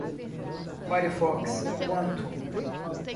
Firefox Quantum